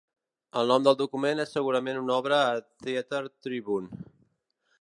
El nom del document és segurament una obra a "Herald Tribune".